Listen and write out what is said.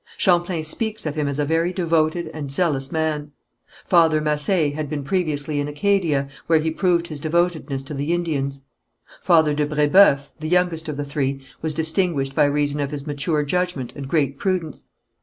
Champlain speaks of him as a very devoted and zealous man. Father Massé had been previously in Acadia, where he proved his devotedness to the Indians. Father de Brébeuf, the youngest of the three, was distinguished by reason of his mature judgment and great prudence.